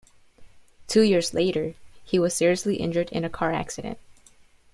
Two years later, he was seriously injured in a car accident.